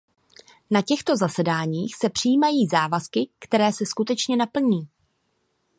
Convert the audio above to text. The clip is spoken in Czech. Na těchto zasedáních se přijímají závazky, které se skutečně naplní.